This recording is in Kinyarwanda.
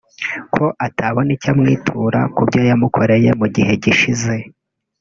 ko atabona icyo amwitura ku byo yamukoreye mu gihe gishize